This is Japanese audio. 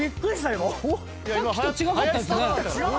さっきと違かったよね。